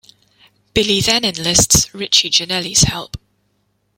Billy then enlists Richie Ginelli's help.